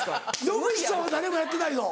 野口さんは誰もやってないぞ。